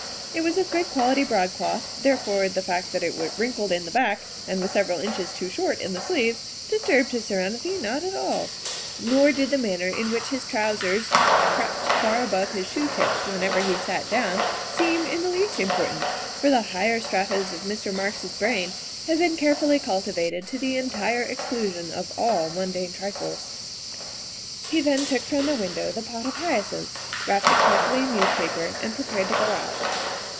It was of good quality broadcloth, therefore the fact that it wrinkled in the back and was several inches too short in the sleeves disturbed his serenity not at all; THE SECRETARY OF STATE 81 nor did the manner in which his trousers crept far above his shoetops whenever he sat down seem in the least im portant, for the higher stratas of Mr. Marks 's brain had been carefully cultivated to the entire exclusion of all mundane trifles. He then took from the window the pot of hyacinths, wrapped it carefully in newspaper, and prepared to go out.